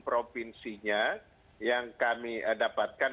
provinsinya yang kami dapatkan